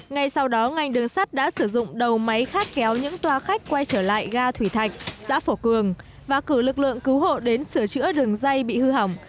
ngay sau đó ngành đường sắt đã sử dụng đầu máy khác kéo những toa khách quay trở lại ga thủy thạch xã phổ cường và cử lực lượng cứu hộ đến sửa chữa đường dây bị hư hỏng